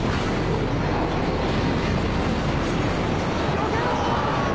よけろ！